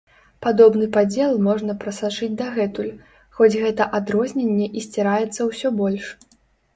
Падобны падзел можна прасачыць дагэтуль, хоць гэта адрозненне і сціраецца ўсё больш.